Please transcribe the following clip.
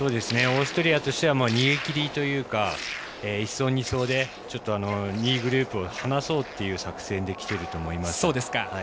オーストリアとしては逃げ切りというか１走、２走で２位グループを離そうという作戦できてると思います。